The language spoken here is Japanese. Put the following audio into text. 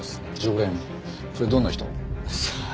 それどんな人？さあ？